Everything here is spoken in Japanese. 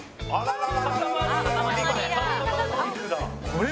これ。